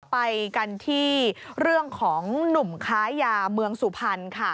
ไปกันที่เรื่องของหนุ่มค้ายาเมืองสุพรรณค่ะ